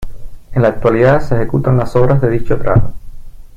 En la actualidad se ejecutan las obras de dicho tramo.